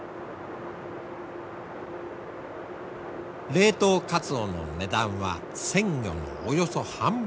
冷凍カツオの値段は鮮魚のおよそ半分。